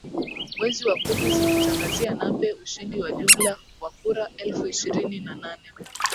mwezi wa kumi zilimtangazia Nape ushindi wa jumla wa kura elfu ishirini na nane